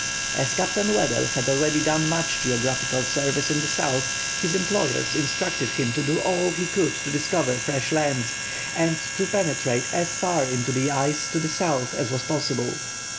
As Captain Weddell had already done much geographical service in the South, his employers instructed him to do all he could to discover fresh lands, and to penetrate as far into the ice to the South as was possible.